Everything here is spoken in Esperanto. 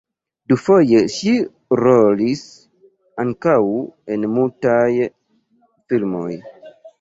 Dufoje ŝi rolis ankaŭ en mutaj filmoj.